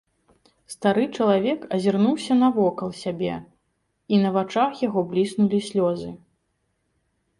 Стары чалавек азірнуўся навокал сябе, і на вачах яго бліснулі слёзы.